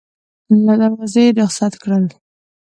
له دروازې یې رخصت کړل.